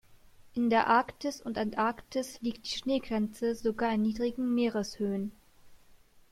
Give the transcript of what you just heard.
In der Arktis und Antarktis liegt die Schneegrenze sogar in niedrigen Meereshöhen.